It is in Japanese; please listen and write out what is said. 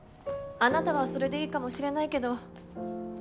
あなたはそれでいいかもしれないけど。